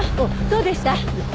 どうでした？